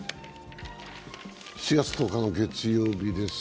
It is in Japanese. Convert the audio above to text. ４月１０日の月曜日です。